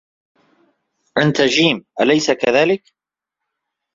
أنت جيم، أليس كذلك؟